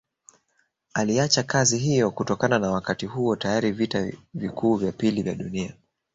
Aliacha kazi hiyo kutokana na Wakati huo tayari vita vikuu vya pili vya dunia